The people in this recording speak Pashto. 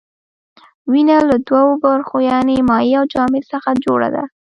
وینه له دوو برخو یعنې مایع او جامد څخه جوړه ده.